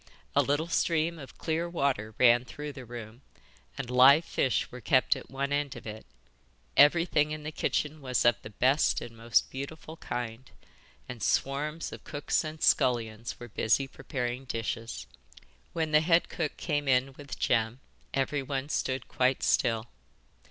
A little stream of clear water ran through the room, and live fish were kept at one end of it. Everything in the kitchen was of the best and most beautiful kind, and swarms of cooks and scullions were busy preparing dishes. When the head cook came in with Jem everyone stood quite still.